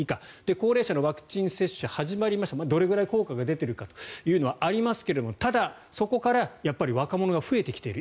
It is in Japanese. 高齢者のワクチン接種始まりましたどれぐらい効果が出ているのかというのはありますがただ、そこから若者が増えてきている。